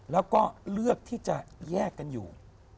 แล้วก็เลือกที่จะแยกกันอยู่